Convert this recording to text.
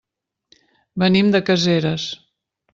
Venim de Caseres.